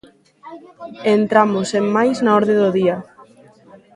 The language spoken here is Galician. E entramos, sen máis, na orde do día.